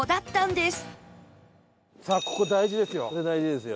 さあここ大事ですよ。